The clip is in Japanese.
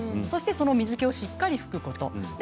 そしてその水けをしっかり拭くこと。